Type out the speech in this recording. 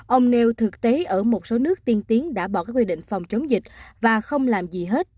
ông nêu thực tế ở một số nước tiên tiến đã bỏ các quy định phòng chống dịch và không làm gì hết